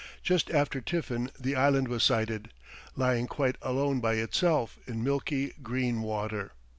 Just after tiffin the island was sighted, lying quite alone by itself in milky green water.